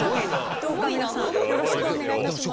どうか皆さんよろしくお願いいたします。